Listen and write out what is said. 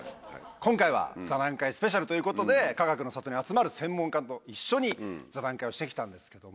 今回は座談会スペシャルということでかがくの里に集まる専門家と一緒に座談会をして来たんですけども。